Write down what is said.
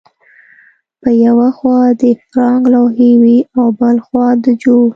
په یوه خوا د فرانک لوحې وې او بل خوا د جو